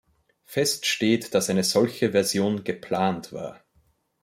Fest steht, dass eine solche Version "geplant" war.